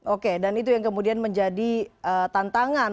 oke dan itu yang kemudian menjadi tantangan